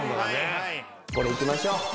これいきましょう。